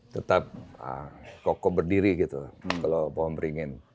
tetap kokoh berdiri gitu kalau pohon beringin